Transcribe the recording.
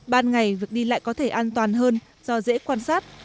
ban ngày việc đi lại có thể an toàn hơn do dễ quan sát